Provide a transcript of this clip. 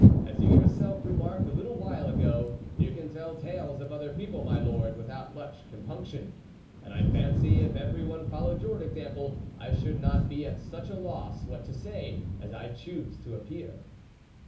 as you yourself re marked a little while ago, you can tell tales of other people, my lord, without much compunction, and I fancy if every one followed your example, I should not be at such a loss what to say, as I choose to appear